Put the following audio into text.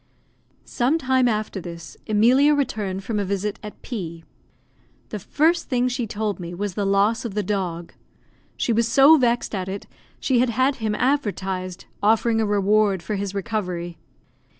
Some time after this, Emilia returned from a visit at P . The first thing she told me was the loss of the dog. She was so vexed at it, she had had him advertised, offering a reward for his recovery.